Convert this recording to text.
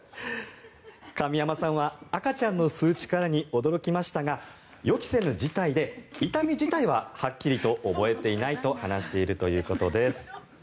上山さんは、赤ちゃんの吸う力に驚きましたが予期せぬ事態で、痛み自体ははっきりと覚えていないと話しているということです。